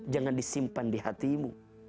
jangan disimpan di hatimu